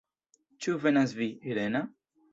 Ĉu venas vi, Irena?